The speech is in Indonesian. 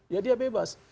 ya dia bebas